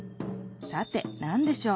さて何でしょう？